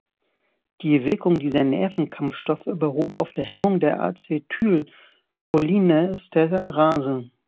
Die Wirkung dieser Nervenkampfstoffe beruht auf der Hemmung der Acetylcholinesterase.